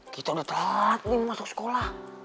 kita udah telat nih mau masuk sekolah